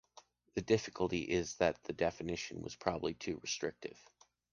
The difficulty is that the definition was probably too restrictive.